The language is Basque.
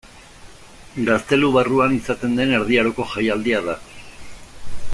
Gaztelu barruan izaten den Erdi Aroko jaialdia da.